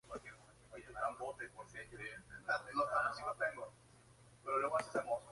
Emilio Rosario Escobar siguió los cursos del Colegio Militar, egresando como subteniente de caballería.